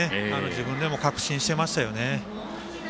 自分でも確信していましたよね。